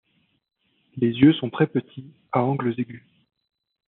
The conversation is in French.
Les yeux sont très petits, à angles aigus..